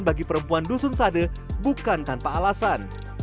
bagi perempuan dusun sade bukan tanpa alasan